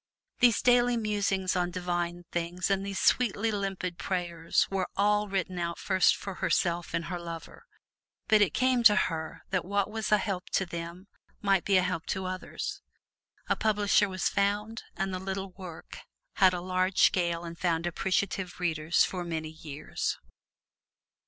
These daily musings on Divine things and these sweetly limpid prayers were all written out first for herself and her lover. But it came to her that what was a help to them might be a help to others. A publisher was found, and the little work had a large sale and found appreciative readers for many years.